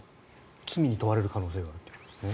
罪に問われる可能性があるということですね。